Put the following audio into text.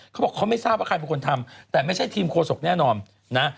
เขาบอกเขาไม่ทราบว่าใครเป็นคนทำแต่ไม่ใช่ทีมโฆษกแน่นอนนะ